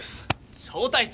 小隊長！